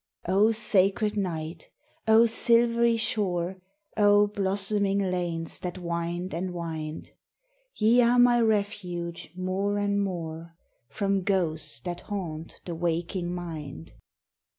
O sacred night, O silvery shore, O blossoming lanes that wind and wind, Ye are my refuge more and more From ghosts that haunt the waking mind.